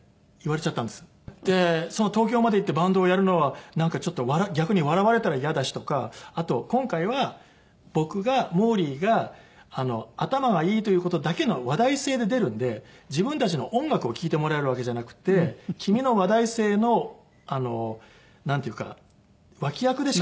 で東京まで行ってバンドをやるのはなんかちょっと逆に笑われたら嫌だしとかあと今回は僕がモーリーが頭がいいという事だけの話題性で出るんで自分たちの音楽を聴いてもらえるわけじゃなくて君の話題性のなんていうか脇役でしかないと。